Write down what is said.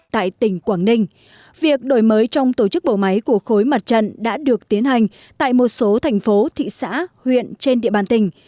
tại tỉnh quảng ninh việc đổi mới trong tổ chức bộ máy của khối mặt trận đã được tiến hành tại một số thành phố thị xã huyện trên địa bàn tỉnh